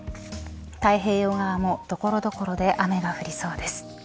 太平洋側も所々で雨が降りそうです。